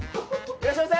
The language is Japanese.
いらっしゃいませ！